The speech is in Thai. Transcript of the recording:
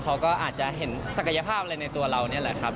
เขาก็อาจจะเห็นศักยภาพอะไรในตัวเรานี่แหละครับ